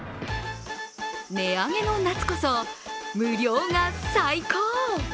値上げの夏こそ無料が最高！